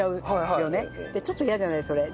でちょっと嫌じゃないそれ。